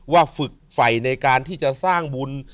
ฝึกไฟในการที่จะสร้างบุญ